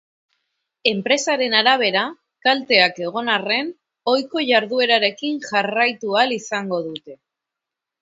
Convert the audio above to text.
Enpresaren arabera, kalteak egon arren, ohiko jarduerarekin jarraitu ahal izango dute.